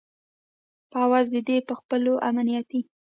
په عوض د دې چې په خپلو امنیتي